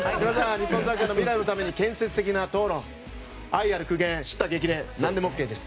日本サッカーの未来のために建設的な討論、愛ある苦言叱咤激励、何でもＯＫです。